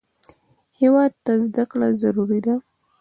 هېواد ته زده کړه ضروري ده